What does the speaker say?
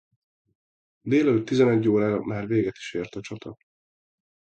Délelőtt tizenegy órára már véget is ért a csata.